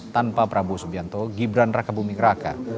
tanpa prabowo subianto gibran raka buming raka